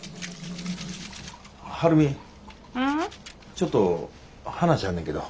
ちょっと話あんねんけど。